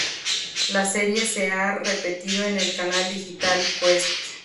La serie se ha repetido en el canal digital Quest.